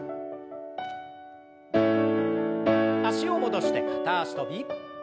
脚を戻して片脚跳び。